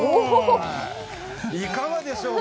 いかがでしょう